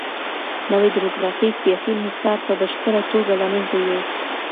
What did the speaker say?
نوي ډيموکراسۍ سياسي انحصار په بشپړه توګه له منځه يووړ.